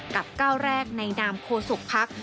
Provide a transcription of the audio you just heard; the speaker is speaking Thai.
ก้าวแรกในนามโคศกภักดิ์